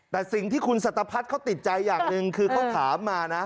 แต่สิ่งที่คุณสัตพัฒน์เขาติดใจอย่างหนึ่งคือเขาถามมานะ